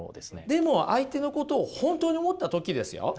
でも相手のことを本当に思った時ですよ